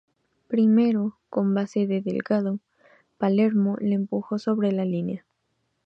Primero, con pase de Delgado, Palermo la empujó sobre la línea.